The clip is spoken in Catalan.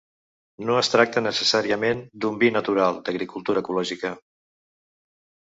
No es tracta necessàriament d'un vi natural, d'agricultura ecològica.